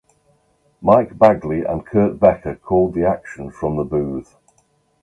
Mike Bagley and Kurt Becker called the action from the booth.